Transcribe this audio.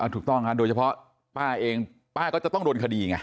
ถูกต้องโดยเฉพาะป้าเองป้าก็จะต้องโดนคดีไง